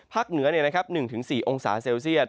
เหนือ๑๔องศาเซลเซียต